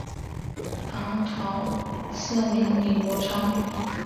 唐朝赐名李国昌。